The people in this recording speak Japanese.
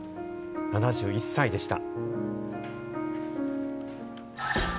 ７１歳でした。